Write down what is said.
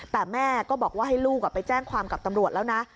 แต่แม่ก็บอกว่าให้ลูกไปแจ้งความกับตำรวจแล้วนะ